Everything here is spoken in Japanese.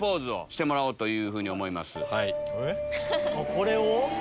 これを？